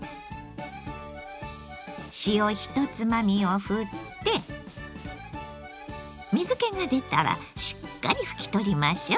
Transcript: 塩１つまみをふって水けが出たらしっかり拭き取りましょ。